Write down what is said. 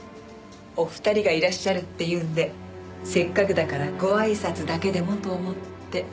お二人がいらっしゃるっていうんでせっかくだからごあいさつだけでもと思って。